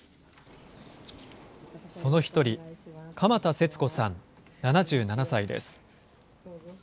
その１人、鎌田瀬津子さん７７歳です。